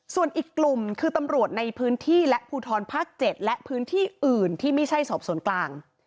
ส่วนอีกกลุ่มคือตำรวจในพื้นที่และภูทรภาค๗และพื้นที่อื่นที่ไม่ใช่สอบสวนกลาง